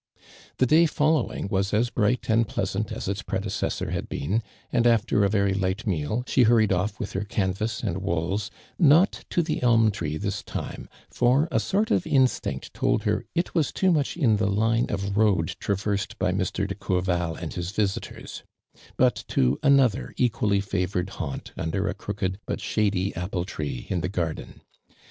'i"he day following was as bright and pleasant as its predecessor had been, and after a very light meal, she hurried oft' with her canvas and wools, not to the elm tree this time, for a sort of instinct tuld her it was too much in llie line of i oad traversed by Mr. de Courval and his visitors, but to another equally i'avored haunt under a crooked but shady apple tree in the garden.